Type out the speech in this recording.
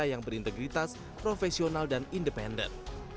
yang berintegritas profesional dan independen